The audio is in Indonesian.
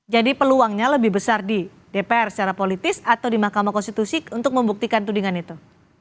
jadi peluangnya lebih besar di dpr secara politis atau di mk untuk membuktikan tudingan itu